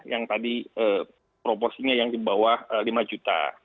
yang tadi proporsinya yang di bawah lima juta